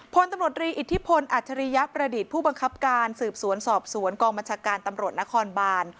พลตำรวจรีอิทธิพลอัจฉริยประดิษฐ์ผู้บังคับการสืบสวนสอบสวนกองบัญชาการตำรวจนครบาน